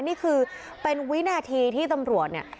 นี่คือเป็นวินาทีที่ตำรวจเนี่ย